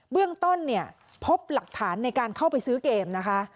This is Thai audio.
เบื้องต้นเนี่ยพบหลักฐานในการเข้าไปซื้อเกมนะคะ